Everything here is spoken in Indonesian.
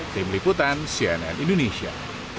tim liputan cnn indonesia